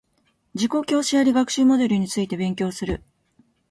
自己教師あり学習モデルについて勉強する